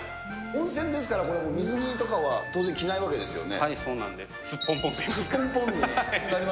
温泉ですから、これ、水着とかは当然着ないわけですよね。